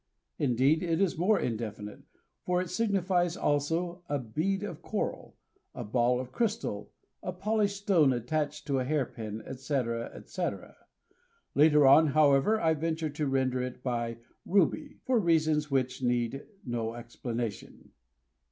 Indeed, it is more indefinite, for it signifies also a bead of coral, a ball of crystal, a polished stone attached to a hairpin, etc., etc. Later on, however, I venture to render it by "ruby," for reasons which need no explanation.